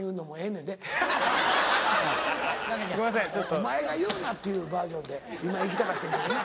「お前が言うな！」っていうバージョンで今行きたかってんけどな。